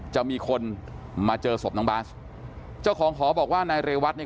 จะมีคนมาเจอศพน้องบาสเจ้าของหอบอกว่านายเรวัตเนี่ย